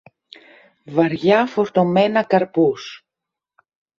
βαριά φορτωμένα καρπούς